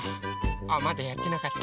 あまだやってなかった。